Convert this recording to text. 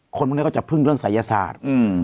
คนพวกนี้ก็จะพึ่งเรื่องศัยศาสตร์